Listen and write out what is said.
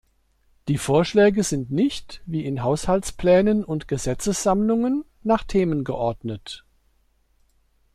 Die Vorschläge sind nicht, wie in Haushaltsplänen und Gesetzessammlungen, nach Themen geordnet.